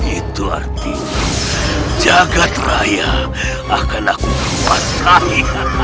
itu artinya jagad raya akan aku kuatai